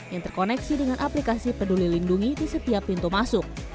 yang terkoneksi dengan aplikasi peduli lindungi di setiap pintu masuk